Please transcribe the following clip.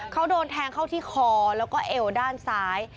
เขาโดนแทงเข้าที่คอแล้วก็เอวด้านซ้าย